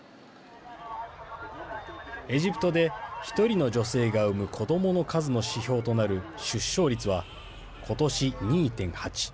エジプトで１人の女性が産む子どもの数の指標となる出生率は今年、２．８。